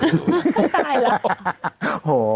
ไม่ตายหรอก